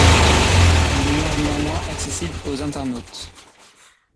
Elle demeure néanmoins accessible aux internautes.